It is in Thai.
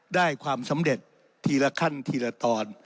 ได้ความสำเร็จทีละขั้นทีละตอน